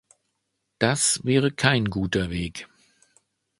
Das wäre kein guter Weg.